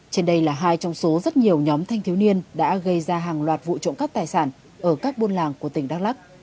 trên đây là hai trong số rất nhiều nhóm thanh thiếu niên đã gây ra hàng loạt vụ trộm cắp tài sản ở các buôn làng của tỉnh đắk lắc